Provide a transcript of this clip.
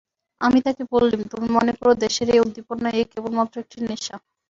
আমি তাঁকে বললুম, তুমি মনে কর দেশের এই উদ্দীপনা এ কেবলমাত্র একটা নেশা!